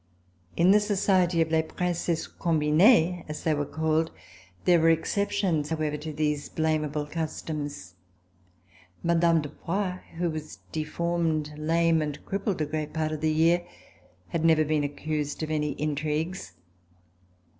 In the society of les princesses combinees, as they were called, there CS5] RECOLLECTIONS OF THE REVOLUTION were exceptions however to these blamable customs. Mme. de Poix, who was deformed, lame, and crippled a great part of the year, had never been accused of any intrigues.